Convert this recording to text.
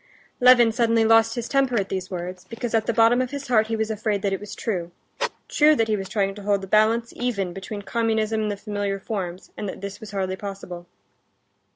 Levin suddenly lost his temper at these words, because at the bottom of his heart he was afraid that it was true—true that he was trying to hold the balance even between communism and the familiar forms, and that this was hardly possible.